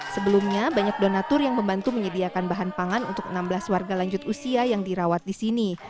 sebelumnya banyak donatur yang membantu menyediakan bahan pangan untuk enam belas warga lanjut usia yang dirawat di sini